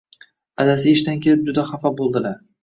Adasi ishdan kelib juda xafa bo‘ldilar.